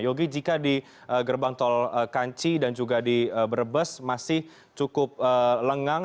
yogi jika di gerbang tol kanci dan juga di brebes masih cukup lengang